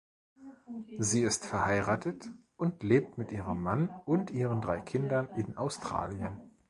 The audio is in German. Sie ist verheiratet und lebt mit ihrem Mann und ihren drei Kindern in Australien.